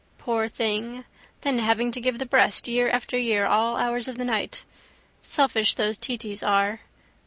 Poor thing! Then having to give the breast year after year all hours of the night. Selfish those t.t's are.